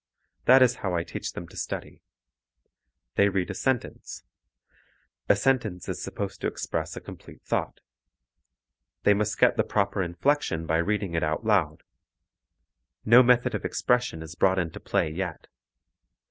That is how I teach them to study. They read a sentence. A sentence is supposed to express a complete thought. They must get the proper inflection by reading it out loud. No method of expression is brought into play yet.